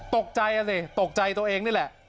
ตกใจอ่ะสิตกใจตัวเองนี่แหละ